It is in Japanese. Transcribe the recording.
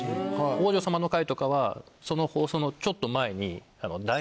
王女様の回とかはその放送のちょっと前に。